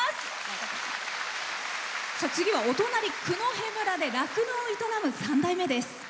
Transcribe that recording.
次は、お隣九戸村で酪農を営む３代目です。